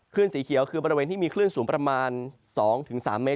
สีเขียวคือบริเวณที่มีคลื่นสูงประมาณ๒๓เมตร